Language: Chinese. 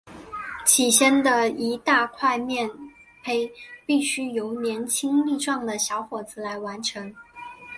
起先的一大块面培必须由年轻力壮的小伙子来完成。